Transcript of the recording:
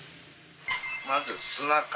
まずツナ缶。